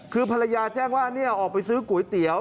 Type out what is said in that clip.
คือภรรยาแจ้งว่าออกไปซื้อก๋วยเตี๋ยว